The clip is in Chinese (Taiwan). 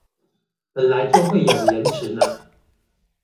本來就會有延遲呢